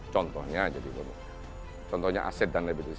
contohnya aset dan liabilitis